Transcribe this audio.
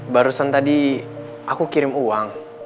barusan tadi aku kirim uang